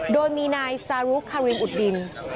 โดยมีนายซารุคารินอุดดิน